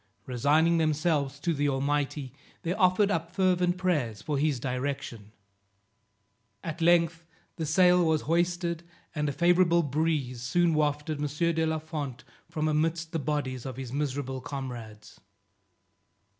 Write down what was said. Resigning themselves to the Almighty, they offered up fervent prayers for his direction. At length the sail was hoisted, and a favorable breeze soon wafted M. de la Fond from amidst the bodies of his miserable comrades.